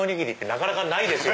なかなかないですよ。